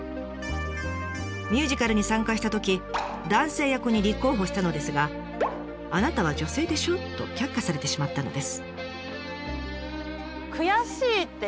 ミュージカルに参加したとき男性役に立候補したのですが「あなたは女性でしょ」と却下されてしまったのです。